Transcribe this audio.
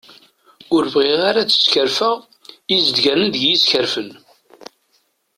Ur bɣiɣ ara ad skerfen izeddganen deg yiskerfen.